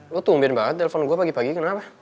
lo tumbien banget telepon gue pagi pagi kenapa